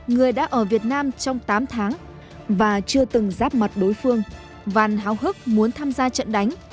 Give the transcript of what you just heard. người đã ở việt nam trong tám tháng và chưa từng giáp mặt đối phương vàn háo hức muốn tham gia trận đánh